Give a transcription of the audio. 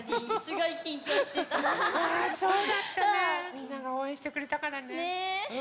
みんながおうえんしてくれたからね。ね。